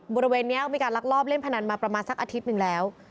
บริเวณนี้มีการลักลอบเล่นพนันมาประมาณสักอาทิตย์หนึ่งแล้ว